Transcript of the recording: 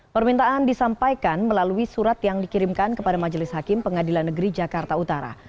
permintaan disampaikan melalui surat yang dikirimkan kepada majelis hakim pengadilan negeri jakarta utara